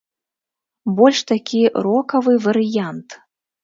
Больш такі рокавы варыянт.